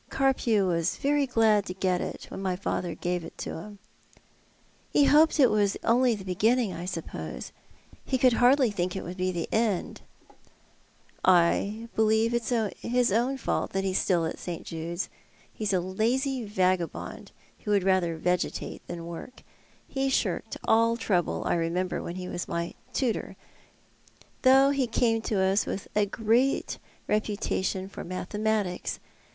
Carpew was very glad to get it when my father gave it to him." " Ho hoped it was only the boginuiog, I suppose. He could hardly think it would be the end." Coralies Private Journal. 221 " I believe it's his owu fault that he's still at Sh Jade's, He's a lazy vagabond, who would rather vegetate than work. He shirked all troiible, I remember, when he was my tutor ; though he came to tis with a great reputation for mathematics.